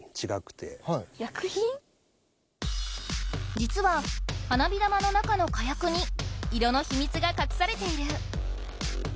実は花火玉の中の火薬に色の秘密が隠されている。